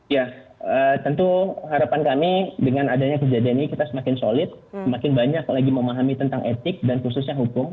ya tentu harapan kami dengan adanya kejadian ini kita semakin solid semakin banyak lagi memahami tentang etik dan khususnya hukum